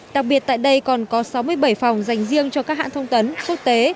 đặc biệt tại đây còn có sáu mươi bảy phòng dành riêng cho các hãng thông tấn quốc tế